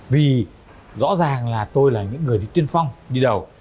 vì rõ ràng là tôi là những người đi tiên phong đi đầu